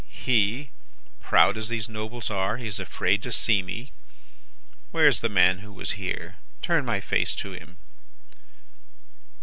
"'He! Proud as these nobles are, he is afraid to see me. Where is the man who was here? Turn my face to him.